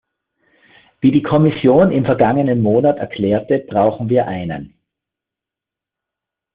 Wie die Kommission im vergangenen Monat erklärte, brauchen wir einen .